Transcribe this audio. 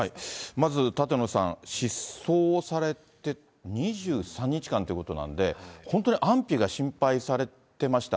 まず舘野さん、失踪をされて２３日間ということなんで、本当に安否が心配されてました。